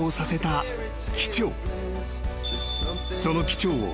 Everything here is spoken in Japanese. ［その機長を］